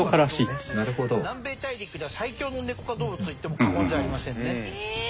南米大陸では最強のネコ科動物と言っても過言じゃありませんね。